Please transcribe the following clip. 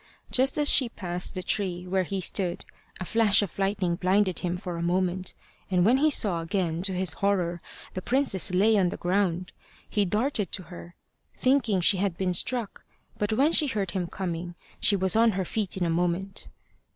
Just as she passed the tree where he stood, a flash of lightning blinded him for a moment, and when he saw again, to his horror, the princess lay on the ground. He darted to her, thinking she had been struck; but when she heard him coming, she was on her feet in a moment.